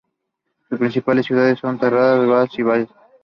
Sus principales ciudades son Tarragona, Reus y Valls.